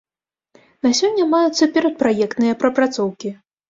На сёння маюцца перадпраектныя прапрацоўкі.